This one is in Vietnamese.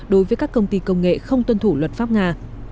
đối với các công ty công nghệ không tuân thủ luật pháp nga